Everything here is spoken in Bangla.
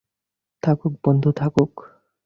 থাকুক বন্ধ থাকুক।